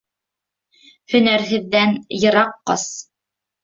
Һөнәрһеҙҙән йыраҡ ҡас.